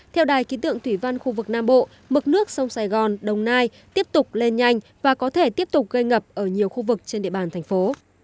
theo đài ký tượng thủy văn khu vực nam bộ mực nước sông sài gòn đồng nai tiếp tục lên nhanh và có thể tiếp tục gây ngập ở nhiều khu vực trên địa bàn thành phố